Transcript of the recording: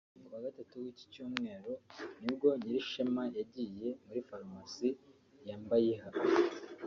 Ku wa Gatatu w’iki cyumweru nibwo Nyirishema yagiye muri Farumasi ya Mbayiha